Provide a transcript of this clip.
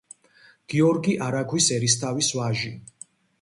გიორგი არაგვის ერისთავის ვაჟი.